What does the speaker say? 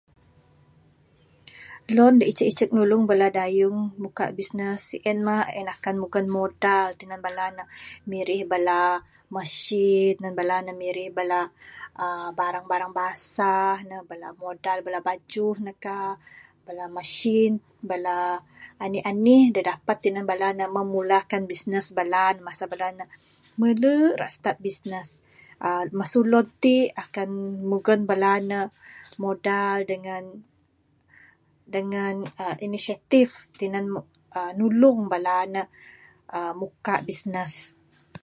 Nun de icek-icek nulung bala dayung, muka bisnes, sien mah en akan nyugon modal tinan bala ne, mirih bala uhh mesin, bala ne mirih bala uhh barang-barang basah ne, bala modal, bala bejuh kah, bala mesin, bala anih-anih de dapat tinan bala ne memulakan bisnes bala ne masa uhh bala ne, mene rak start bisnes uhh mesu loan tik akan nyugon bala ne, modal dengan..dengan uhh inesitif tinan [ba] nulung bala ne, uhh muka bisnes.